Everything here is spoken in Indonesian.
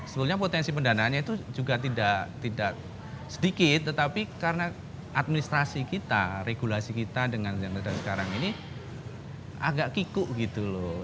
sebenarnya potensi pendanaannya itu juga tidak sedikit tetapi karena administrasi kita regulasi kita dengan yang ada sekarang ini agak kikuk gitu loh